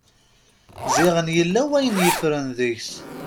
Ziɣen yella wayen yeffren deg-s.